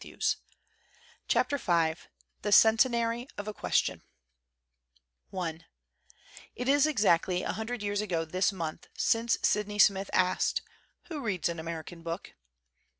V THE CENTENARY OF A QUESTION V THE CENTENARY OF A QUESTION IT is exactly a hundred years ago this month since Sydney Smith asked "Who reads an American book